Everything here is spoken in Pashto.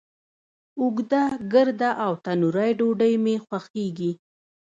اوږده، ګرده، او تنوری ډوډۍ می خوښیږی